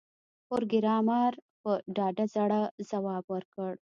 پروګرامر په ډاډه زړه ځواب ورکړ